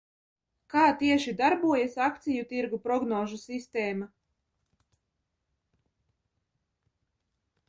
Kā tieši darbojas akciju tirgus prognožu sistēma?